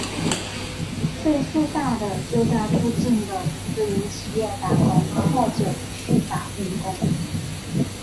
岁数大的就在附近的私营企业打工或者去打零工。